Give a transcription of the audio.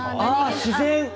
自然。